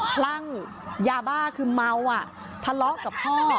คลั่งยาบ้าคือเมาส์ทะเลาะกับพ่อ